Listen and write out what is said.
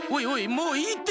もういいって。